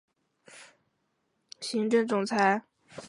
苗礼士是港龙航空创办人及首任行政总裁。